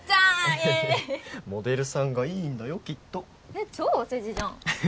イエーイモデルさんがいいんだよきっと超お世辞じゃん